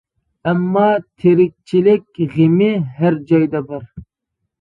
ئەمما تىرىكچىلىك غېمى ھەر جايدا بار.